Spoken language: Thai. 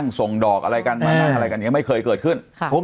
นั่งส่งดอกอะไรกันมาอะไรกันนี่ไม่เคยเกิดขึ้นครับ